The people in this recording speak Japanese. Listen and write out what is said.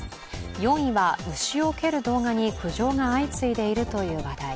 ４位は牛を蹴る動画に苦情が相次いでいるという話題。